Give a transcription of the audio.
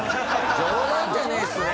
冗談じゃねえっすね。